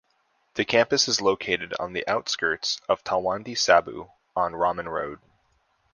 The campus is located on the outskirts of Talwandi Sabo on Raman road.